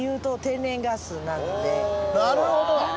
なるほど。